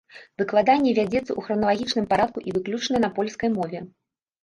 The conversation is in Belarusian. Выкладанне вядзецца ў храналагічным парадку і выключна на польскай мове.